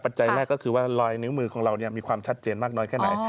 จัยแรกก็คือว่ารอยนิ้วมือของเรามีความชัดเจนมากน้อยแค่ไหน